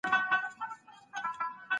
تاسي ولي داسي په بیړه سواست؟